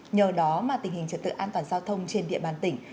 nhờ đó mà tình hình trật tự an toàn giao thông trên địa bàn tỉnh